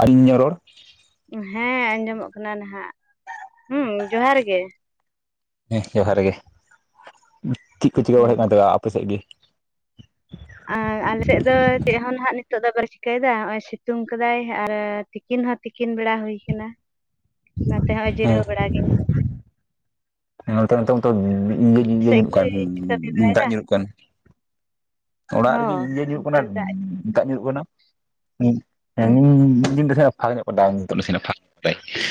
ᱟᱨ ᱤᱧᱟᱹᱜ ᱨᱚᱲ᱾ ᱦᱮ ᱟᱡᱚᱢᱚᱜ ᱠᱟᱱᱟ ᱱᱟᱦᱟᱜ ᱦᱩ ᱡᱚᱦᱟᱨ ᱜᱮ᱾ ᱦᱮ ᱡᱚᱦᱟᱨ ᱜᱮ ᱪᱤᱜ ᱠᱚ ᱪᱤᱠᱟᱹ ᱵᱟᱲᱟᱭ ᱦᱳᱭᱳᱜ ᱦᱩᱸ ᱠᱟᱱᱟ ᱟᱯᱮ ᱥᱮᱫ ᱜᱮ᱾ ᱟᱻ ᱟᱞᱮᱥᱮᱫ ᱫᱚ ᱪᱮᱫ ᱦᱚᱸ ᱱᱟᱦᱟᱜ ᱱᱤᱛᱚᱜ ᱫᱚ ᱵᱟᱞᱮ ᱪᱤᱠᱟᱹᱭᱫᱟ ᱱᱚᱜ-ᱚᱭ ᱥᱤᱛᱩᱝ ᱠᱟᱫᱟᱭ ᱟᱨ ᱛᱤᱠᱤᱱ ᱦᱚ ᱛᱤᱠᱤᱱ ᱵᱮᱲᱟ ᱦᱩᱭ ᱟᱠᱟᱱᱟ ᱚᱱᱟᱛᱮ ᱦᱚᱜ-ᱚᱭ ᱡᱤᱨᱟᱹᱣ ᱦᱮᱸ ᱵᱟᱲᱟ ᱜᱮ᱾ ᱱᱚᱛᱮ ᱢᱟᱛᱚ ᱱᱤᱛᱚᱝ ᱛᱚ ᱤᱭᱟᱹ ᱥᱮᱫ ᱧᱩᱨᱩᱜ ᱜᱮ ᱠᱟᱱ ᱠᱟᱹᱢᱤ ᱫᱟᱜ ᱵᱟᱲᱟᱭᱮᱫᱟ ᱧᱩᱨᱩᱜ ᱠᱟᱱ᱾ ᱚᱲᱟᱜ ᱨᱮᱜᱮ ᱦᱚᱸ ᱤᱭᱟᱹ ᱧᱩᱨᱩᱜ ᱚᱱᱛᱮ ᱠᱟᱱᱟ ᱫᱟᱜ ᱫᱟᱜ ᱧᱩᱨᱩᱜ ᱠᱟᱱᱟ ᱦᱩᱸ [unintelligible] [unintelligible]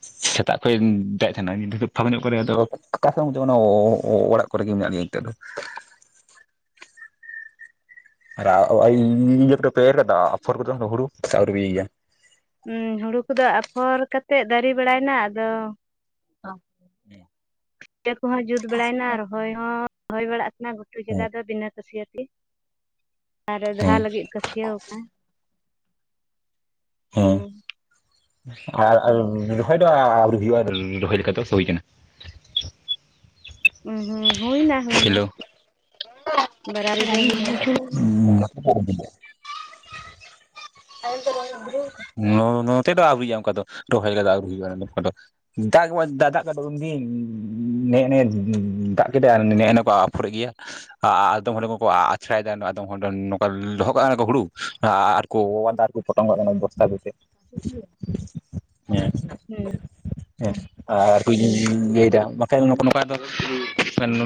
ᱥᱮᱛᱟᱜ ᱠᱷᱚᱭ ᱫᱟᱜᱽ ᱮ ᱛᱟᱦᱮᱱᱟ ᱱᱤᱛᱚᱜ ᱫᱚ ᱯᱷᱟᱠᱟ ᱧᱚᱜ ᱠᱚᱨᱮ ᱚᱠᱟ ᱚᱲᱟᱜ ᱠᱚᱨᱮ ᱜᱮ ᱢᱮᱱᱟᱜ ᱞᱮᱭᱟ ᱱᱤᱛᱚᱜ ᱫᱚ᱾ ᱟᱨ ᱤᱭᱟᱹ ᱠᱚᱫᱚ ᱯᱮ ᱮᱨ ᱠᱮᱫᱟ ᱟᱯᱷᱚᱨ ᱠᱚᱫᱚ ᱦᱩᱲᱩ ᱥᱮ ᱟᱹᱣᱨᱤ ᱯᱮ ᱤᱭᱟᱹᱭᱟ? ᱦᱩ ᱦᱩᱲᱩ ᱠᱚᱫᱚ ᱟᱯᱷᱚᱨ ᱠᱟᱛᱮᱜ ᱫᱟᱨᱮ ᱵᱟᱲᱟᱭᱱᱟ ᱟᱫᱚ ᱚ ᱠᱷᱮᱛ ᱠᱚᱦᱚ ᱡᱩᱛ ᱵᱟᱲᱟᱭᱱᱟ ᱨᱚᱦᱚᱭ ᱦᱚ ᱨᱚᱦᱚᱭ ᱵᱟᱲᱟᱜ ᱠᱟᱱᱟ ᱜᱷᱩᱴᱩ ᱡᱟᱭᱜᱟ ᱫᱚ ᱵᱤᱱᱟᱹ ᱠᱟᱹᱥᱤᱭᱟᱛᱮ ᱟᱨ ᱫᱟᱦᱟ ᱦᱮᱸ ᱞᱟᱹᱜᱤᱫ ᱠᱟᱹᱥᱤᱭᱟᱹᱣ ᱠᱟ ᱦᱩ᱾ ᱦᱮᱸ ᱟᱨ ᱨᱚᱦᱚᱭ ᱫᱚ ᱟᱹᱣᱨᱤ ᱦᱩᱭᱩᱜ-ᱟ ᱨᱚᱦᱚᱭ ᱞᱮᱠᱟ ᱫᱚ᱾ ᱥᱮ ᱦᱩᱭ ᱠᱟᱱᱟ? ᱦᱩ ᱦᱩ ᱦᱩᱭᱱᱟ᱾ ᱦᱩᱭᱱᱟ ᱦᱮᱞᱳ ᱵᱟᱨᱟᱵᱟᱨᱤ ᱫᱚ ᱦᱩᱭᱱᱟ [inaudible] [inaudible] [inaudible] ᱱᱚᱛᱮ ᱫᱚ ᱟᱹᱣᱨᱤ ᱟᱜ-ᱟ ᱚᱱᱠᱟ ᱫᱚ ᱨᱚᱦᱚᱭ ᱠᱚᱫᱚ ᱟᱹᱣᱨᱤ ᱦᱩᱭᱩᱜ-ᱟ ᱱᱚᱝᱠᱟ ᱫᱚ᱾ ᱫᱟᱜ ᱜᱮ ᱵᱟᱭ ᱫᱟᱜ ᱫᱟᱜ ᱠᱟᱜ ᱫᱚ ᱩᱱᱫᱤᱱ ᱱᱮᱜ ᱱᱮᱜ ᱫᱟᱜ ᱠᱮᱫᱟ᱾ ᱱᱮᱜ ᱮ ᱠᱚ ᱟᱯᱷᱚᱨ ᱮᱫ ᱜᱮᱭᱟ᱾ ᱟᱫᱚᱢ ᱦᱚᱲᱮᱱ ᱠᱚᱠᱚ ᱟᱪᱷᱲᱟᱭ ᱮᱫᱟ ᱟᱫᱚᱢ ᱦᱚᱲ ᱱᱚᱝᱠᱟ ᱫᱚᱦᱚ ᱠᱟᱜ-ᱟ ᱠᱚ ᱦᱩᱲᱩ ᱟᱨ ᱠᱚ ᱫᱟᱨᱠᱚ ᱯᱚᱴᱚᱢ ᱠᱟᱜ ᱠᱟᱱᱟ ᱵᱚᱥᱛᱟ ᱵᱷᱤᱛᱤᱨ ᱦᱮ᱾ ᱦᱩ, ᱦᱮ ᱟᱨᱠᱚ ᱤᱭᱟᱹᱫᱟ ᱵᱟᱠᱷᱟᱡ ᱱᱚᱝᱠᱟ ᱫᱚ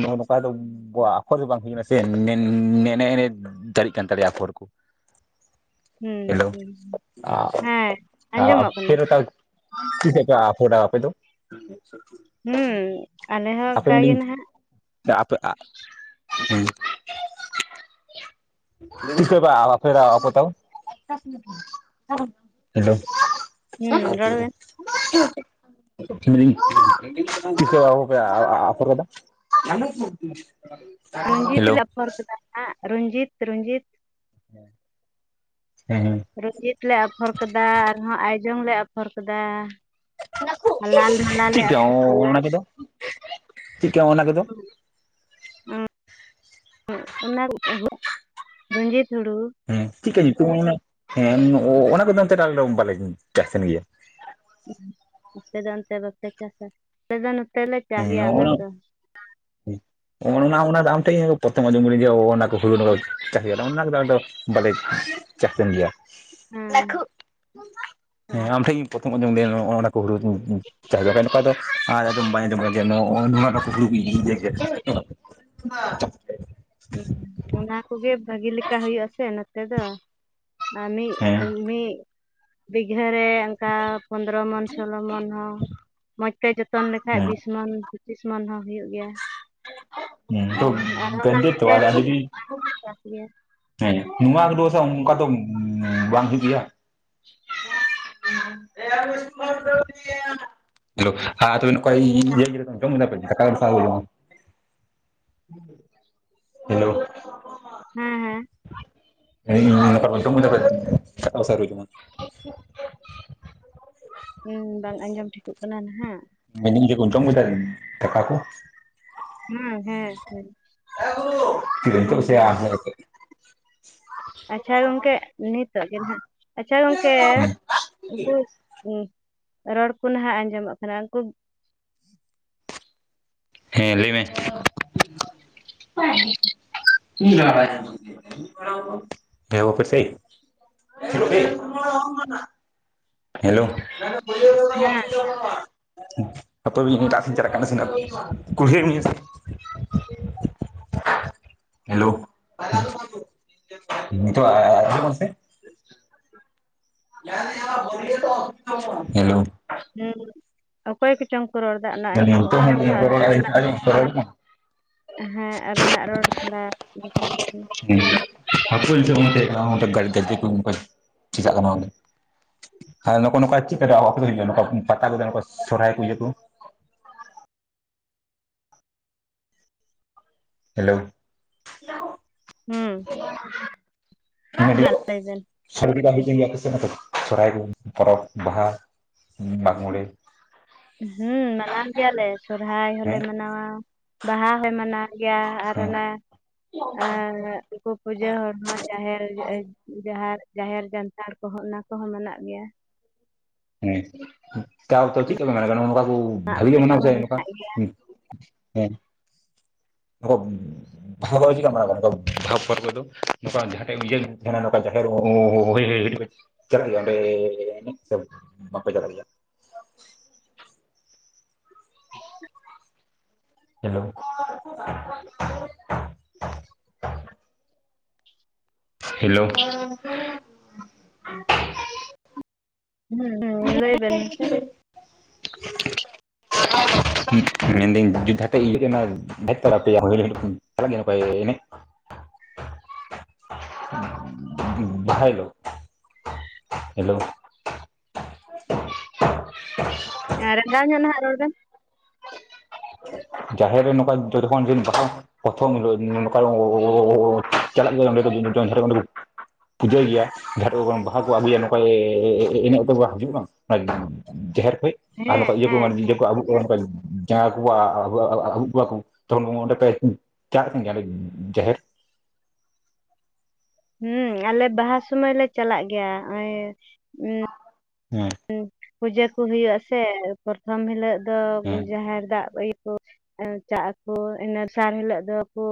ᱱᱚᱝᱠᱟ ᱵᱟᱠᱷᱨᱟ ᱫᱚ ᱟᱯᱷᱚᱨ ᱜᱮ ᱵᱟᱝ ᱦᱩᱭᱱᱟ ᱥᱮ ᱱᱮ ᱱᱮ ᱫᱟᱨᱮᱜ ᱠᱟᱱ ᱛᱟᱞᱮᱭᱟ ᱟᱯᱷᱚᱨ ᱠᱚ᱾ ᱦᱩᱸ ᱦᱮᱞᱳ ᱦᱩᱸ ᱦᱮᱸ ᱟᱸᱡᱚᱢᱚᱜ [inaudible] ᱠᱟᱱᱟ ᱛᱷᱤᱨ ᱦᱟᱛᱟᱲ, ᱛᱤᱥ ᱥᱮᱜ ᱯᱮ ᱟᱯᱷᱚᱰᱟ ᱟᱯᱮ ᱫᱚ? ᱦᱩᱸ ᱟᱞᱮ ᱦᱚᱸ ᱚᱱᱠᱟᱜᱮ ᱱᱟᱦᱟᱜ᱾ ᱟᱯᱮ ᱟᱜ ᱦᱩᱸ, ᱛᱤᱥ ᱥᱮᱜ ᱯᱮ ᱟᱯᱷᱮᱨᱟ ᱟᱯᱚ ᱛᱟᱣ, ᱦᱮᱞᱳ, ᱦᱩᱸ ᱨᱚᱲ ᱵᱮᱱ ᱛᱤᱥᱚᱜ ᱯᱮ ᱟᱼᱟᱯᱷᱚᱨ ᱠᱟᱫᱟ, [inaudible] ᱨᱚᱧᱡᱤᱛ ᱦᱮᱞᱳ ᱞᱮ ᱟᱯᱷᱚᱨ ᱠᱮᱫᱟ ᱦᱟᱸᱜ ᱨᱚᱧᱡᱤᱛ ᱨᱚᱧᱡᱤᱛ᱾ ᱦᱩᱸ ᱦᱮᱸ ᱦᱮᱸ᱾ ᱨᱚᱧᱡᱤᱛ ᱞᱮ ᱟᱯᱷᱚᱨ ᱠᱟᱫᱟ ᱟᱨᱦᱚᱸ ᱟᱭᱡᱚᱝ ᱞᱮ ᱟᱯᱷᱚᱨ ᱠᱟᱫᱟ, ᱞᱟᱞ ᱢᱟᱞᱟ ᱪᱮᱫ ᱞᱮ ᱠᱚ ᱟᱯᱷᱚᱨ ᱠᱟᱫᱟ ᱚᱻᱚᱱᱟ ᱠᱚᱫᱚ ᱪᱮᱠᱟ ᱚᱱᱟ ᱠᱚᱫᱚ, ᱦᱩᱸ, ᱚᱱᱟ ᱠᱚ [inaudible] ᱨᱚᱧᱡᱤᱛ ᱦᱩᱲᱩ᱾ ᱦᱮᱸ ᱪᱮᱫᱠᱟ ᱧᱩᱛᱩᱢ ᱦᱮᱸ ᱚᱱᱟ ᱠᱚᱫᱚ ᱱᱚᱱᱛᱮ ᱟᱞᱮ ᱵᱟᱞᱮ ᱪᱟᱥᱮᱱ ᱜᱮᱭᱟ᱾ ᱟᱯᱮ ᱫᱚ ᱚᱱᱛᱮ ᱵᱟᱯᱮ ᱪᱟᱥᱟ ᱟᱞᱮ ᱫᱚ ᱱᱚᱛᱮ ᱞᱮ ᱪᱟᱥ ᱜᱮᱭᱟ ᱚᱱᱟ ᱫᱚ᱾ ᱚᱱᱟ ᱚᱱᱟ ᱫᱚ ᱟᱢ ᱴᱷᱮᱱ ᱯᱨᱚᱛᱚᱢ ᱟᱸᱡᱚᱢ ᱦᱩᱭ ᱱᱟ ᱡᱮ ᱚᱱᱟ ᱦᱩᱲᱩ ᱱᱚᱝᱠᱟ ᱠᱚ ᱪᱟᱥ ᱜᱮᱭᱟ ᱚᱱᱟ ᱠᱚᱫᱚ ᱟᱫᱚ, ᱵᱟᱞᱮ ᱪᱟᱥᱮᱱ ᱜᱮᱭᱟ᱾ ᱦᱮᱸ ᱦᱮᱸ ᱟᱢ ᱴᱷᱮᱱ ᱤᱧ ᱯᱨᱚᱛᱷᱚᱢ ᱟᱸᱡᱚᱢ ᱫᱟ ᱚᱱᱟ ᱠᱚ ᱦᱩᱲᱩ ᱪᱟᱥ ᱫᱚ ᱱᱚᱝᱠᱟ ᱫᱚ ᱵᱟᱧ, ᱚᱱᱟ ᱚᱱᱟ ᱠᱚ ᱦᱩᱲᱩ [inaudible] ᱦᱩᱸ ᱚᱱᱟ ᱠᱚᱜᱮ ᱵᱷᱟᱜᱤ ᱞᱮᱠᱟ ᱦᱩᱭᱩᱜ-ᱟ ᱥᱮ ᱱᱚᱛᱮ ᱫᱚ᱾ ᱟᱢᱤᱜ ᱦᱮᱸ ᱼᱟᱢᱤᱜ, ᱵᱤᱜᱷᱟᱹᱨᱮ ᱚᱱᱠᱟ ᱯᱚᱸᱫᱨᱚ ᱢᱚᱱ ᱥᱳᱞᱳ ᱢᱚᱱ ᱦᱚᱸ, ᱢᱚᱸᱡᱽ ᱛᱮ ᱡᱚᱛᱚᱱ ᱞᱮᱠᱷᱟᱡ ᱦᱮᱸ ᱵᱤᱥ ᱢᱚᱱ ᱯᱚᱸᱪᱤᱥ ᱢᱚᱱ ᱦᱚᱸ ᱦᱩᱭᱩᱜ ᱜᱮᱭᱟ᱾ ᱦᱩᱸ ᱛᱚ ᱟᱨᱦᱚᱸ ᱚᱱᱟ ᱜᱟᱸᱱᱰᱮ ᱦᱮᱸᱫᱮ ᱛᱚᱣᱟ ᱫᱟᱨᱮ ᱜᱮ, [inaudible] ᱦᱮᱸ ᱱᱚᱣᱟ ᱠᱚᱫᱚ ᱥᱮ ᱚᱱᱠᱟ ᱫᱚ ᱵᱟᱝ ᱦᱩᱭᱩᱜ ᱜᱤᱭᱟ᱾ [inaudible] ᱦᱮᱞᱳ ᱟᱨ ᱛᱚᱵᱮ ᱚᱠᱚᱭ ᱤᱭᱟᱹ [unintelligible] ᱡᱚᱢ ᱠᱮᱫᱟ ᱯᱮ ᱫᱟᱠᱟ [unintelligible] ᱦᱮᱞᱳ, ᱦᱮᱸ ᱦᱮᱸ [unintelligible] ᱡᱚᱢ ᱠᱮᱫᱟ ᱯᱮ ᱫᱟᱠᱟ ᱥᱮ ᱟᱣᱨᱤᱯᱮ ᱡᱚᱢᱟ᱾ ᱦᱩᱸ ᱵᱟᱝ ᱟᱸᱡᱚᱢ ᱴᱷᱤᱠᱚᱜ ᱠᱟᱱᱟ ᱱᱟᱦᱟᱜ? ᱢᱮᱱᱮ ᱟᱧ [unintelligible] ᱡᱚᱢ ᱠᱮᱫᱟᱯᱮ ᱫᱟᱠᱟ ᱠᱚ? ᱦᱩᱸ ᱦᱮᱸ ᱦᱮᱸ᱾ ᱱᱤᱛᱚᱜ ᱥᱮ ᱟᱨ ᱦᱩᱸ, ᱦᱚᱸ [unintelligible] ᱟᱪᱪᱷᱟ ᱜᱚᱝᱠᱮ ᱱᱤᱛᱚᱜ ᱜᱮ ᱦᱟᱜ ᱟᱪᱪᱷᱟ ᱜᱚᱝᱠᱮ ᱩᱱᱠᱩ, ᱨᱚᱲ ᱠᱚ ᱱᱟᱦᱟᱜ ᱟᱸᱡᱚᱢᱚᱜ ᱠᱟᱱᱟ ᱩᱱᱠᱩ, ᱦᱮᱸ ᱞᱟᱹᱭ ᱢᱮ [inaudible] ᱮ ᱦᱚᱸ ᱟᱮᱥᱮᱜ ᱦᱮᱞᱳ, ᱦᱮᱸ ᱦᱟᱯᱟᱹᱭ ᱤᱧ ᱮᱴᱟᱜ ᱥᱮᱜ ᱤᱧ ᱪᱟᱞᱟᱜ [inaudible] ᱦᱮᱞᱳ ᱱᱤᱛᱳᱜ ᱟᱻᱟᱸᱡᱚᱢᱚᱜᱼᱟ ᱥᱮ, ᱦᱮᱞᱳ, ᱦᱮᱸ ᱚᱠᱚᱭ ᱠᱚᱪᱚᱝ ᱠᱚ ᱨᱚᱲ ᱫᱟ ᱚᱱᱟ ᱟᱸᱡᱚᱢᱚᱜ ᱱᱤᱛᱚᱜ ᱠᱟᱱᱟ ᱦᱚᱸ ᱛᱚ ᱟᱫᱚ ᱨᱚᱲ ᱟᱸᱡᱚᱢᱚᱜ ᱚᱸᱰᱮᱱᱟᱜ ᱠᱟᱱᱟ, ᱨᱚᱲ ᱦᱮᱸ ᱟᱵᱮᱱᱟᱜ ᱨᱚᱲ ᱛᱷᱚᱲᱟ ᱵᱟᱝ ᱟᱸᱡᱚᱢᱚᱜ ᱠᱟᱱᱟ᱾ [inaudible] ᱠᱚ ᱪᱮᱪᱟᱜ ᱠᱟᱱᱟ ᱚᱱᱰᱮ ᱦᱮᱸ ᱱᱚᱝᱠᱟ ᱱᱚᱝᱠᱟ ᱪᱮᱫ ᱠᱟᱱᱟ ᱱᱚᱝᱠᱟ ᱯᱟᱛᱟ ᱠᱚᱫᱚ ᱥᱚᱨᱚᱦᱟᱭ ᱠᱚ ᱤᱭᱟᱹ ᱠᱚ, [inaudible] ᱦᱮᱞᱳ ᱦᱮᱸ ᱢᱟ [unintelligible] ᱞᱟᱹᱭ ᱵᱮᱱ [inaudible] ᱥᱚᱨᱦᱟᱭ ᱯᱚᱨᱵᱽ ᱵᱟᱦᱟ ᱢᱟᱜᱽ ᱢᱩᱬᱮ, ᱦᱩᱸ ᱢᱟᱱᱟᱣ ᱜᱮᱭᱟᱞᱮ ᱥᱚᱨᱦᱟᱭ ᱦᱚᱞᱮ ᱦᱮᱸ ᱢᱟᱱᱟᱣ-ᱟ ᱵᱟᱦᱟ ᱦᱚᱞᱮ ᱢᱟᱱᱟᱣ-ᱟ᱾ ᱜᱮᱭᱟ ᱟᱨ ᱦᱮᱸ ᱚᱱᱟ ᱯᱩᱡᱟᱹ ᱦᱚᱲ ᱢᱟ ᱡᱟᱦᱮ ᱡᱟᱦᱮᱨ ᱡᱟᱱᱛᱷᱟᱲ ᱠᱚᱦᱚᱸ ᱚᱱᱟ ᱠᱚᱦᱚᱸ ᱢᱮᱱᱟᱜ ᱜᱮᱭᱟ᱾ ᱦᱮᱸ ᱛᱚ ᱪᱤᱜ ᱠᱟ ᱢᱟᱱᱟᱣ [inaudible] ᱵᱷᱟᱹᱜ ᱜᱮ ᱢᱟᱱᱟ ᱟᱥᱮ ᱦᱩᱸ ᱚᱱᱠᱟ ᱦᱮᱸ [inaudible] ᱵᱟᱦᱟ ᱵᱚᱸᱜᱟ ᱪᱮᱜ ᱞᱮᱠᱟ ᱠᱚ ᱢᱟᱱᱟᱣ ᱜᱮᱭᱟ ᱱᱚᱝᱠᱟ ᱡᱟᱸᱦᱟ ᱠᱚᱨᱮ ᱤᱭᱟ. ᱛᱟᱦᱮᱸᱱᱟ [inaudible] ᱦᱩᱭ ᱦᱩᱭ ᱪᱟᱞᱟᱜ ᱜᱮᱭᱟ ᱚᱸᱰᱮ ᱥᱮ ᱵᱟᱠᱚ ᱪᱟᱞᱟᱜ ᱜᱮᱭᱟ᱾ [unintelligible] Hello [unintelligible] hello. [unintelligible] ᱦᱩᱸ ᱦᱩᱸ ᱞᱟᱹᱭ ᱵᱮᱱ ᱢᱮᱥᱮ? ᱢᱮᱱᱫᱟᱹᱧ [inaudible] ᱪᱟᱞᱟᱜ ᱜᱮᱭᱟᱯᱮ ᱮᱱᱮᱡ [unintelligible] ᱦᱮᱞᱳ ᱦᱮᱞᱳ᱾ [unintelligible] ᱨᱟᱸᱜᱟᱣ ᱧᱚᱜ ᱱᱟᱦᱟᱜ ᱨᱚᱲ ᱵᱮᱱ, ᱡᱟᱦᱮᱨ ᱨᱮ ᱱᱚᱝᱠᱟ ᱡᱚᱛᱚᱠᱷᱚᱱ ᱯᱨᱚᱛᱷᱚᱢ ᱱᱚᱝᱠᱟ ᱠᱚ ᱪᱟᱞᱟᱜ ᱜᱮᱭᱟ ᱚᱸᱰᱮ [inaudible] ᱯᱩᱡᱟᱹᱭ ᱜᱮᱭᱟ ᱡᱟᱦᱟᱸᱚᱱ ᱵᱟᱦᱟ ᱠᱚ ᱟᱹᱜᱩᱭᱟ ᱱᱚᱝᱠᱟ ᱮᱱᱮᱡᱛ ᱠᱚ ᱦᱤᱡᱩᱜ ᱢᱟ [inaudible] ᱡᱟᱦᱮᱨ ᱠᱷᱚᱡ ᱟᱨ ᱦᱮᱸ ᱱᱚᱝᱠᱟ ᱤᱭᱟᱹ ᱠᱚ ᱦᱮᱸ ᱢᱟᱱᱮ ᱤᱭᱟᱹ ᱠᱚ ᱟᱵᱚ ᱠᱚ ᱱᱚᱝᱠᱟ ᱡᱟᱸᱦᱟ [inaudible] ᱠᱚᱣᱟ ᱟ. ᱜᱩᱠᱚᱣᱟ ᱠᱚ ᱛᱚᱠᱷᱚᱱ ᱚᱸᱰᱮ ᱯᱮ ᱪᱟᱞᱟᱜ ᱠᱟᱱ ᱜᱮᱭᱟ ᱡᱟᱦᱮᱨ, ᱦᱩᱸ ᱟᱞᱮ ᱵᱟᱦᱟ ᱥᱩᱢᱟᱹᱭ ᱞᱮ ᱪᱟᱞᱟᱜ ᱜᱮᱭᱟ ᱱᱚᱜᱚᱭ ᱦᱩᱸ [unintelligible] ᱯᱩᱡᱟᱹ ᱠᱚ ᱦᱩᱭᱩᱜ ᱟᱥᱮ ᱯᱚᱨᱛᱷᱚᱢ ᱦᱤᱞᱟᱹᱜ ᱫᱚ ᱦᱮᱸ ᱡᱟᱦᱮᱨ ᱫᱟᱵᱽ ᱤᱭᱟᱹᱠᱚ ᱪᱟᱜ ᱟᱠᱚ ᱤᱱᱟᱹ ᱫᱥᱟᱨ ᱦᱤᱞᱟᱹᱜ ᱫᱚᱠᱚ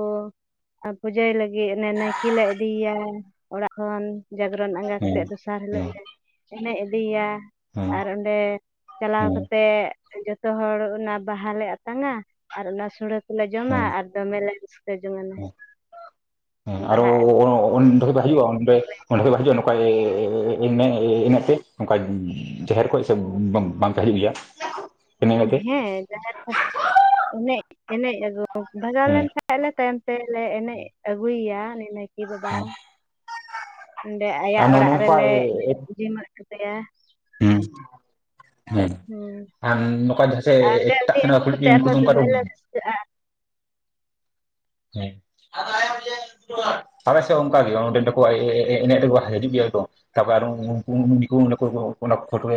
ᱟᱨ ᱯᱩᱡᱟᱹᱭ ᱞᱟᱹᱜᱤᱫ ᱚᱱᱮ ᱱᱟᱭᱠᱮ ᱞᱮ ᱤᱫᱤᱭ ᱭᱟ ᱚᱲᱟᱜ ᱠᱷᱚᱱ, ᱡᱟᱜᱽᱨᱚᱱ ᱟᱸᱜᱟ ᱦᱮᱸ ᱠᱟᱛᱮᱜ ᱫᱚᱥᱟᱨ ᱦᱤᱞᱳᱜ ᱦᱮᱸ ᱞᱮ ᱮᱱᱮᱡ ᱤᱫᱤᱭᱼᱟ᱾ ᱦᱮᱸ ᱟᱨ ᱚᱸᱰᱮ ᱪᱟᱞᱟᱣ ᱦᱮᱸ ᱠᱟᱛᱮ ᱡᱚᱛ ᱡᱚᱛᱚ ᱦᱚᱲ ᱚᱱᱟ ᱵᱟᱦᱟᱞ ᱞᱮ ᱟᱛᱟᱝᱟ ᱟᱨ ᱚᱱᱟ ᱥᱳᱚᱲᱮ ᱡᱚᱢᱟ ᱦᱮᱸ ᱟᱨ ᱫᱚᱢᱮ ᱞᱮ ᱨᱟᱹᱥᱠᱟᱹ ᱡᱚᱝᱟᱱᱟ ᱵᱟᱦᱟᱜ ᱟᱞᱮ, ᱩᱱᱦᱤᱞᱳᱜ ᱫᱚ ᱦᱩᱭᱩᱜᱼᱟ ᱚᱸᱰᱮ ᱚᱸᱰᱮ ᱠᱷᱚᱡ ᱦᱤᱡᱩᱜᱼᱟ ᱱᱚᱝᱠᱟ ᱮᱱ ᱮᱱᱮᱡ ᱛᱮ [unintelligible] ᱱᱚᱝᱠᱟ ᱡᱟᱦᱮᱨ [unintelligible] ᱠᱷᱡ ᱥᱮ ᱵᱟᱝ ᱛᱟᱦᱮᱸ ᱦᱤᱡᱩ ᱜᱮᱭᱟ ᱤᱱᱟᱹ ᱦᱮᱸ ᱠᱟᱛᱮ ᱡᱟᱦᱮᱨ ᱠᱷᱚᱡ ᱮᱱᱮᱡ ᱮᱱᱮᱡ ᱵᱷᱟᱜᱟᱣ ᱦᱮᱸ ᱞᱮᱱᱠᱷᱟᱱ ᱟᱞᱮ ᱛᱟᱭᱚᱢ ᱛᱮᱞᱮ ᱮᱱᱮᱡ ᱟᱹᱜᱩᱭᱮᱭᱟ ᱱᱟᱭᱠᱮ ᱵᱟᱵᱟ ᱦᱚᱸ᱾ ᱚᱸᱰᱮ ᱟᱭᱟᱜ ᱟᱨ ᱱᱚᱜᱼᱚ ᱚᱲᱟᱜ ᱱᱚᱝᱠᱟ ᱨᱮᱞᱮ ᱦᱮᱸ ᱡᱤᱢᱟᱹ ᱚᱴᱚᱠᱟᱭᱟ᱾ [unintelligible] ᱦᱮᱸ ᱟᱨ ᱱᱚᱝᱠᱟ ᱡᱟᱦᱟᱸ ᱟᱨ ᱚᱸᱰᱮ ᱮᱴᱟᱜ ᱩᱱᱤ ᱟᱹᱜᱩ ᱥᱮᱲᱤ ᱠᱟᱛᱮᱫ ᱩᱱᱠᱩ ᱟᱨᱦᱚᱸ ᱫᱚ ᱚᱱᱠᱟ ᱫᱚ [inaudible] [unintelligible] [unintelligible] ᱟᱞᱮ ᱥᱮᱫ ᱚᱱᱠᱟ ᱜᱮ ᱚᱸᱰᱮᱱ ᱫᱚᱠᱚ ᱮᱱᱮᱡ ᱨᱮᱠᱚ ᱦᱤᱡᱩᱜ ᱜᱮᱭᱟ ᱠᱚ᱾ ᱛᱟᱯᱚᱨ ᱟᱨ ᱩᱱᱠᱩ ᱩᱱᱠᱩ [unintelligible]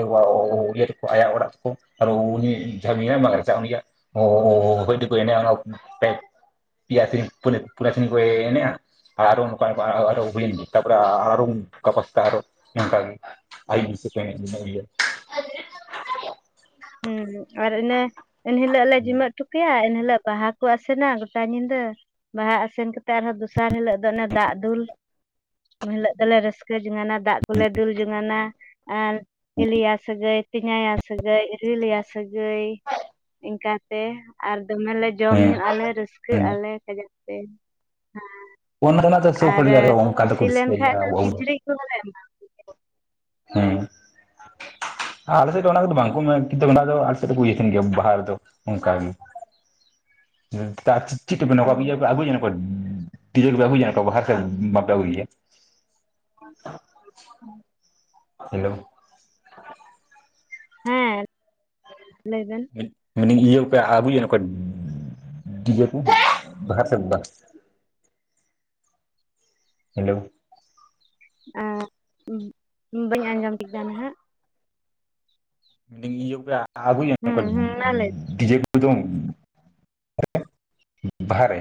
[unintelligible] ᱟᱭᱟᱜ ᱚᱲᱟᱜ ᱠᱚ ᱟᱨ ᱩᱱᱤ ᱡᱟᱦᱟᱸ ᱵᱟᱝ ᱩᱱᱤᱟᱜ ᱫᱚᱯ [unintelligible] ᱮᱱᱟ ᱯ [unintelligible] ᱯᱤᱭᱟ ᱥᱤᱢ ᱯᱩᱭᱞᱩ ᱯᱩᱨᱟᱹ ᱥᱤᱢ ᱠᱚ ᱮᱱᱮᱡ ᱟ ᱾ ᱟᱨ ᱦᱚᱸ ᱱᱚᱝᱠᱟ ᱱᱚᱝᱠᱟ ᱜᱮ ᱠᱩᱠᱞᱤᱝ ᱢᱮ ᱛᱟᱨᱯᱚᱨᱮ ᱟᱨ ᱦᱚᱸ ᱜᱟᱯᱟ ᱥᱛᱟᱜ ᱝᱠᱟ ᱜᱮ [unintelligible] ᱟᱭ ᱵ ᱠᱟᱹ [unintelligible] ᱦᱮᱸ ᱟᱨ ᱤᱱᱟᱹ ᱮᱱᱦᱤᱞᱚᱜ ᱞᱮ ᱡᱤᱢᱟᱹᱜ ᱦᱚᱴᱚ ᱠᱮᱭᱟ, ᱮᱱᱦᱤᱞᱚᱜ ᱵᱟᱦᱟ ᱠᱚ ᱟᱥᱮᱱᱟ ᱜᱚᱴᱟ ᱧᱤᱫᱟᱹ ᱵᱟᱦᱟ ᱟᱥᱮᱱ ᱠᱟᱛᱮᱜ ᱟᱨᱦᱚᱸ ᱫᱚᱥᱟᱨ ᱦᱤᱞᱳ ᱫᱚ ᱚᱱᱮ ᱫᱟᱜ ᱫᱩᱞ, ᱩᱱ ᱦᱤᱞᱚᱜ ᱫᱚᱞᱮ ᱨᱟᱹᱥᱠᱟᱹ ᱡᱚᱝᱟᱱᱟ ᱫᱟᱜ ᱠᱚᱞᱮ ᱫᱩᱞ ᱡᱚᱝᱟᱱᱟ᱾ ᱟᱨ ᱦᱤᱞᱤᱭᱟ ᱥᱟᱹᱜᱟᱹᱭ, ᱛᱮᱧᱟᱭᱟ ᱥᱟᱹᱜᱟᱹᱭ᱾ ᱦᱤᱞᱮᱭᱟ ᱥᱟᱹᱜᱟᱹᱭ ᱤᱱᱠᱟᱛᱮ ᱟᱨ ᱫᱚᱢᱮ ᱞᱮ ᱡᱚᱢ ᱧᱩ ᱦᱮᱸ ᱟᱞᱮ ᱨᱟᱹᱥ ᱨᱤᱠᱟᱹᱜ ᱦᱮᱸ ᱟᱞᱮ ᱠᱟᱡᱟᱠ ᱛᱮ, ᱦᱮᱸ ᱚᱱᱟ ᱨᱮᱱᱟᱜ ᱫᱚ [unintelligible] ᱚᱱᱠᱟ ᱫᱚ ᱠᱚ ᱞᱮᱱᱠᱷᱟᱡ ᱫᱚ [unintelligible] ᱠᱤᱪᱨᱤᱡ ᱠᱚᱦᱚᱸᱞᱮ ᱮᱢᱟ ᱦᱮᱸ ᱟᱞᱮ ᱥᱮᱫ ᱚᱱᱟ ᱠᱚᱫᱚ ᱵᱟᱝ ᱠᱩ ᱢᱮᱱ, ᱠᱤᱱᱛᱩ ᱢᱮᱱᱟᱜ ᱟᱥᱮ ᱵᱟᱝ ᱟᱞᱮ ᱥᱮᱫ ᱫᱚ ᱵᱩᱡ ᱮᱫ ᱛᱟᱦᱮ ᱜᱤᱭᱟ ᱵᱟᱦᱟ ᱨᱮᱫᱚ ᱾ ᱚᱱᱠᱟ ᱜᱮ [unintelligible] ᱪᱮᱫ ᱛᱮᱯᱮ ᱦᱩᱸ [unintelligible] [unintelligible] ᱵᱟᱯᱮ ᱟᱜᱩ ᱮᱭᱟ ᱾ ᱦᱮᱞᱳ ᱦᱮᱸ ᱞᱟᱹᱭ ᱵᱮᱱ᱾ ᱢᱮᱱ ᱮᱫ ᱟ. ᱧ ᱤᱭᱟ. ᱯᱮ ᱟᱜᱩᱭᱟ ᱚᱱᱠᱟ ᱰᱤᱡᱮ ᱠᱩ ᱵᱟᱦᱟ ᱨᱮ ᱥᱮ ᱵᱟᱝ ᱾ ᱦᱮᱞᱳ ᱟᱨ ᱵᱟᱹᱧ ᱟᱸᱡᱚᱢ ᱠᱮᱫ-ᱟ ᱱᱟᱜ ᱤᱭᱟ. ᱠᱚᱯᱮ ᱟᱜᱩᱭᱟ ᱦᱩᱸ ᱚᱱᱠᱟ ᱦᱩᱸ ᱢᱟ ᱞᱟᱹᱭ ᱰᱤᱡᱮ ᱠᱩ [unintelligible] ᱵᱟᱦᱟ ᱨᱮ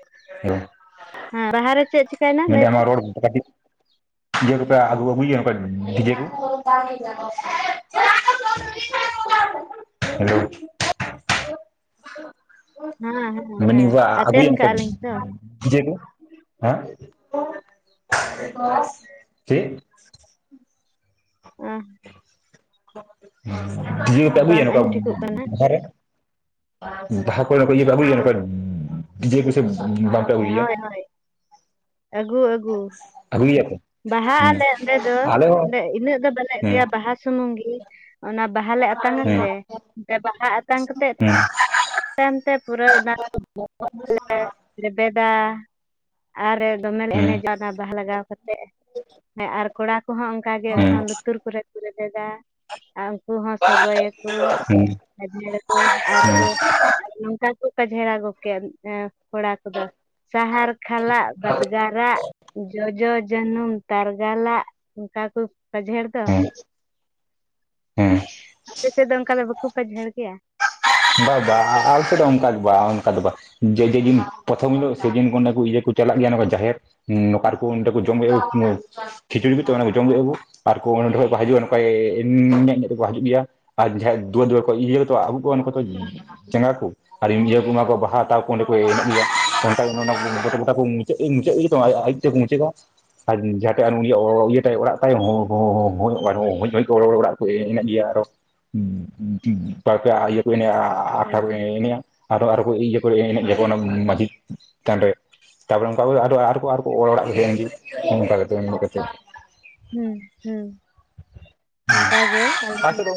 ᱦ [unintelligible] ᱦᱮᱸ ᱨᱟᱦᱟ ᱨᱮ ᱪᱮᱫ? ᱪᱤᱠᱟᱹᱭᱮᱱᱟ ᱢᱮᱱ [unintelligible] ᱞᱟᱹᱭ ᱵᱮᱱ ᱟᱢᱟᱜ ᱨᱚᱲ ᱠᱟᱹᱴᱤᱡ ᱤᱡᱮ ᱠᱚᱯᱮ ᱟᱹᱜᱩ ᱟᱹᱜᱩᱭᱟ ᱱᱚᱝᱠᱟ ᱰᱤᱡᱮ ᱠᱚ᱾ [inaudible] ᱦᱮᱞ [unintelligible] ᱦᱮᱸ ᱦᱮᱸ ᱢᱮᱱᱫᱟᱹᱧ ᱦᱮᱸ ᱟᱛᱮᱱ ᱟᱹᱜᱩᱭᱮᱫ ᱱᱚᱝᱠᱟ ᱠᱟᱜᱼᱟ ᱞᱤᱧ ᱛᱚ [unintelligible] ᱚ [inaudible] [unintelligible] ᱯᱮ ᱟᱹᱜᱩᱭᱟ ᱵᱟᱝ ᱱᱚᱝᱠᱟ ᱟᱸᱡᱚᱢ ᱴᱷᱤᱠᱚᱜ ᱠᱟᱱᱟ ᱵᱟᱦᱟ ᱨᱮ ᱵᱟᱦᱟ ᱠᱚ ᱨᱮ ᱤᱭᱟ. ᱱᱟᱝᱠᱟ ᱯᱮ ᱟᱜᱩᱭᱮ ᱰᱤᱡᱮ [unintelligible] ᱦᱚᱭ ᱦᱚᱭ ᱟᱹᱜᱩ ᱟᱹᱜᱩ ᱟᱹᱜᱩᱭ ᱜᱮᱭᱟ ᱯᱮ ᱵᱟᱦᱟᱜ ᱦᱮᱸ ᱟᱞᱮ ᱚᱸᱰᱮ ᱫᱚ ᱟᱞᱮ ᱦᱚᱸ ᱚᱸᱰᱮ ᱤᱱᱟᱹᱜ ᱫᱚ ᱵᱟᱞᱮ ᱦᱮᱸ ᱮᱱᱮᱡ-ᱟ ᱵᱟᱦᱟ ᱥᱩᱢᱩᱝ ᱜᱮ ᱾ ᱚᱱᱟ ᱵᱟᱦᱟ ᱞᱮ ᱟᱛᱟᱝ ᱟᱥᱮ, ᱚᱛᱮ ᱵᱟᱦᱟ ᱟᱛᱟᱝ ᱠᱟᱛᱮᱜ ᱦᱩᱸ ᱛᱟᱭᱚᱢ ᱛᱮ ᱯᱩᱨᱟᱹ ᱚᱱᱟ [unintelligible] ᱞᱮᱵᱮᱫᱟ ᱟᱨ ᱫᱚᱢᱮ ᱞᱮ ᱦᱮᱸ ᱮᱱᱮᱡᱼᱟ ᱵᱟᱦᱟ ᱞᱟᱜᱟᱣ ᱠᱟᱛᱮ ᱦᱮᱸ ᱟᱨ ᱠᱚᱲᱟ ᱠᱚᱦᱚᱸ ᱚᱱᱠᱟ ᱜᱮ ᱩᱱᱠᱩ ᱦᱮᱸ ᱦᱚᱸ ᱞᱩᱛᱩᱨ ᱠᱚᱨᱮ ᱨᱮᱵᱮᱫᱟ ᱟᱨ ᱩᱱᱠᱩ ᱦᱚᱸ ᱥᱚᱜᱚᱭ ᱟᱠᱚ ᱦᱮᱸ ᱟᱡᱷᱟᱲ ᱟᱠᱚ ᱟᱨ ᱦᱮᱸ ᱠᱚ ᱱᱚᱝᱠᱟ ᱠᱚ ᱠᱷᱟᱡᱷᱲᱟ ᱜᱚᱜ ᱠᱮᱭᱟ ᱠᱚᱲᱟ ᱠᱚᱫᱟ ᱥᱟᱦᱟᱨ ᱠᱷᱟᱞᱟᱜ ᱵᱟᱫᱽᱜᱟᱨᱟᱜ ᱡᱚᱡᱚ ᱡᱟᱹᱱᱩᱢ ᱛᱟᱨᱜᱟᱞᱟᱜ ᱚᱝᱠᱟ ᱠᱚ ᱯᱟᱡᱷᱮᱲ [unintelligible] ᱦᱩᱸ ᱟᱯᱮ ᱥᱮᱫ ᱫᱚ ᱚᱝᱠᱟ ᱫᱚ ᱵᱟ ᱠᱩ ᱯᱟᱡᱷᱮᱲ ᱜᱮᱭᱟ ᱵᱟ-ᱵᱟ ᱟᱞᱮ ᱥᱮ ᱫᱚ ᱚᱝᱠᱟ ᱫᱚ ᱵᱟ ᱚᱱᱠᱟ ᱫᱚ ᱵᱟ ᱡᱮᱫᱤᱱ ᱯᱨᱚᱛᱷᱚᱢ ᱦᱤᱞᱚᱜ ᱥᱮᱫᱤᱱ ᱚᱸᱰᱮ ᱠᱩ ᱤᱭᱟᱹ ᱠᱩ ᱪᱟᱞᱟᱜ ᱜᱮᱭᱟ ᱡᱟᱦᱮᱨ ᱱᱚᱠᱟᱨ ᱠᱩ ᱚᱰᱮᱸ ᱠᱩ ᱡᱚᱢ ᱠᱷᱤᱪᱩᱲᱤ ᱛᱚ ᱚᱱᱟ ᱠᱩ ᱡᱚᱢ ᱠᱮ ᱜᱤᱠᱩ ᱟᱨ ᱠᱚ ᱚᱸᱰᱮ ᱠᱷᱚᱡ ᱠᱚ ᱦᱤᱡᱩᱜᱼᱟ ᱱᱚᱝᱠᱟᱭ ᱤᱧ ᱧᱮᱡ ᱛᱮᱠᱚ ᱦᱤᱡᱩᱜ ᱜᱮᱭᱟ ᱟᱨ ᱡᱟᱦᱟᱸᱭ ᱫᱩᱣᱟᱹᱨ-ᱫᱩᱣᱟᱹᱨ ᱠᱚ ᱤᱭᱟᱹ ᱠᱚᱛᱚ ᱟᱜᱩ ᱠᱚᱣᱟ ᱩᱱᱠᱩ ᱦᱩᱸ ᱡᱟᱸᱜᱟ ᱠᱚ ᱟᱨ ᱤᱭᱟᱹ ᱵᱚᱸᱜᱟ ᱠᱚ ᱵᱟᱦᱟ ᱦᱟᱛᱟᱣ ᱠᱚ ᱚᱸᱰᱮ ᱠᱚ ᱮᱱᱮᱡ ᱜᱮᱭᱟ ᱜᱚᱴᱟ ᱜᱚᱴᱟ ᱠᱚ ᱢᱩᱪᱟᱹᱫ-ᱢᱩᱪᱟᱹᱫᱚ ᱟᱡ ᱢᱩᱪᱟᱹᱫ ᱢᱩᱪᱟᱹᱫᱚᱜ-ᱟ᱾ ᱟᱨ ᱡᱟᱦᱟᱸᱴᱷᱟᱜ ᱩᱱᱤᱭᱟᱜ ᱤᱭᱟᱹ ᱛᱟᱭ ᱚᱲᱟᱜ ᱛᱟᱭᱚᱸ ᱦᱚᱸᱭ ᱠᱚ ᱚᱲᱟᱜ- ᱚᱲᱟᱜ ᱠᱚ ᱮᱱᱮᱡ ᱜᱮᱭᱟ ᱟᱨᱚ ᱵᱟᱨ-ᱯᱮ ᱟᱴᱟᱞ ᱠᱚ ᱦᱩᱸ ᱮᱱᱮᱡ-ᱟ ᱟᱫᱚ ᱟᱨᱚ ᱠᱚ ᱤᱭᱟᱹ ᱠᱚ ᱮᱱᱮᱡ ᱜᱮᱭᱟᱠᱚ ᱚᱱᱟ ᱢᱟᱺᱡᱷᱤ ᱛᱷᱟᱱ ᱨᱮ ᱛᱟᱯᱚᱨᱮ ᱚᱝᱠᱟ ᱟᱨ ᱟᱨ ᱠᱚ ᱚᱲᱟᱜ ᱦᱩᱭᱮᱡᱮᱱ ᱜᱮ ᱱᱚᱝᱠᱟ ᱠᱟᱛᱮᱫ ᱢᱮᱱ ᱠᱟᱛᱮ ᱦᱩᱸ-ᱦᱩᱸ ᱚᱝᱠᱟᱜ ᱜᱮ ᱟᱞᱮ ᱟᱥᱮ ᱦᱚᱸ ᱫᱚ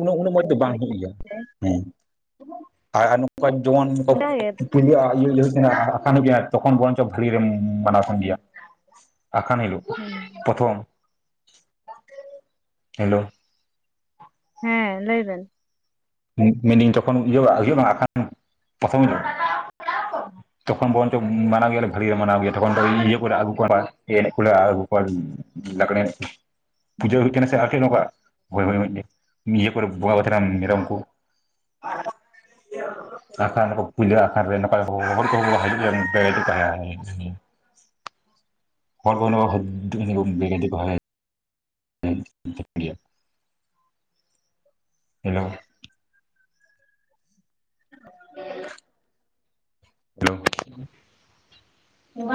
ᱩᱱᱟᱹᱜ ᱢᱚᱡᱽ ᱫᱚ ᱵᱟᱝ ᱦᱩᱭᱩᱜ ᱜᱮᱭᱟ ᱡᱩᱣᱟᱹᱱ ᱠᱚ ᱚᱱᱠᱟ ᱜᱮ ᱤᱭᱟᱹ ᱦᱩᱭᱩᱜ ᱟᱠᱟᱱ ᱦᱩᱭᱩᱜ-ᱟ ᱟᱥᱟᱢᱤ ᱠᱟᱱᱟᱭ ᱛᱚᱠᱷᱚᱱ ᱵᱚᱱᱪᱚᱜ ᱵᱷᱟᱹᱟᱹᱜᱤ ᱨᱮᱢ ᱢᱟᱱᱟᱣ ᱠᱟᱱ ᱜᱮᱭᱟ ᱟᱠᱷᱟᱱ ᱦᱤᱞᱚᱜ ᱦᱩᱸ ᱯᱚᱨᱛᱷᱚᱢ ᱦᱮᱞᱳ ᱦᱮᱸ ᱞᱟᱹᱭ ᱵᱮᱱ ᱢᱮᱱᱫᱟᱹᱧ ᱡᱚᱠᱷᱚᱱ ᱤᱭᱟᱹ ᱦᱩᱭᱩᱜᱼᱟ ᱟᱠᱷᱟᱱ ᱯᱨᱚᱛᱷᱚᱢ ᱦᱤᱞᱳᱜ ᱪᱮᱫ ᱦᱚᱸ ᱵᱟᱝ ᱟᱸᱡᱚᱢᱚᱜ ᱠᱟᱱᱟ ᱛᱚᱠᱷ ᱵᱚᱱᱪᱚ ᱢᱟᱱᱟᱣ ᱜᱮᱭᱟᱞᱮ ᱵᱷᱟᱹᱜᱤ ᱞᱮ ᱢᱟᱱᱟᱣ ᱜᱮᱭᱟ ᱛᱚᱠᱷᱚᱱ ᱫᱚ ᱤᱭᱟᱹ ᱠᱚᱞᱮ ᱟᱹᱜᱩ ᱠᱚᱣᱟ ᱮᱱᱮᱡ ᱠᱚᱞᱮ ᱟᱹᱜᱩ ᱠᱚᱣᱟ ᱞᱟᱝᱜᱽᱲᱮ ᱮᱱᱮᱡ ᱯᱩᱡᱟᱹ ᱦᱩᱭᱩᱜ ᱛᱟᱦᱮᱱᱟ ᱥᱮ ᱟᱨᱠᱤ ᱱᱚᱝᱠᱟ ᱤᱭᱟᱹ ᱠᱚᱨᱮ ᱵᱚᱸᱜᱟ ᱵᱩᱨᱩᱭ ᱛᱟᱦᱮᱱᱟ ᱢᱮᱨᱚᱢ ᱠᱚ ᱪᱮᱫ ᱦᱚᱸ ᱵᱟᱝ ᱟᱸᱡᱚᱢᱚᱜ ᱠᱟᱱᱟ ᱟᱠᱷᱟᱱ ᱠᱚ ᱯᱩᱭᱞᱟᱹ ᱟᱠᱷᱟᱱ ᱨᱮ ᱱᱚᱝᱠᱟ ᱦᱚᱲ ᱠᱚ ᱦᱤᱡᱩᱜᱼᱟ᱾ ᱦᱚᱲ ᱠᱚ ᱵᱟᱝ ᱟᱸᱡᱚᱢᱚᱜ ᱴᱷᱤᱠᱟᱹᱜ ᱠᱟᱱᱟ ᱦᱮᱞᱳ ᱦᱮᱞᱳ